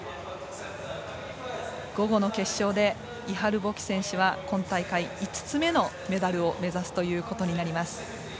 午後の決勝でイハル・ボキ選手は今大会５つ目のメダルを目指すことになります。